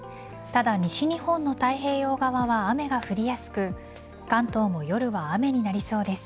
ただ、西日本の太平洋側は雨が降りやすく関東も夜は雨になりそうです。